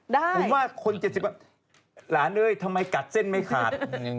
ได้เพราะว่าคน๗๐หลานด้วยทำไมกัดเส้นไม่ขาด